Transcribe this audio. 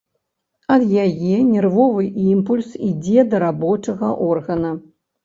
Ад яе нервовы імпульс ідзе да рабочага органа.